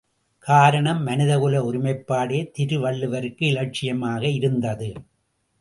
காரணம், மனிதகுல ஒருமைப்பாடே திருவள்ளுவருக்கு இலட்சியமாக இருந்தது.